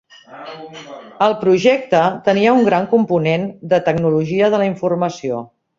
El projecte tenia un gran component de tecnologia de la informació.